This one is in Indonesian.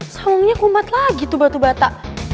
saungnya kumat lagi tuh batu bata